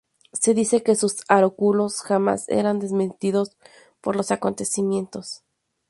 Se dice que sus oráculos jamás eran desmentidos por los acontecimientos.